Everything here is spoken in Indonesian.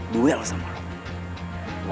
duel sama lu